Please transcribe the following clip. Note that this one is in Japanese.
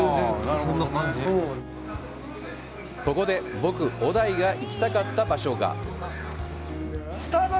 ここで、僕、小田井が行きたかった場所が。